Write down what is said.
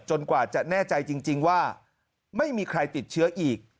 กว่าจะแน่ใจจริงว่าไม่มีใครติดเชื้ออีก